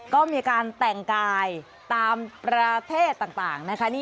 ก็มีการแต่งกายตามประเทศต่างนะคะ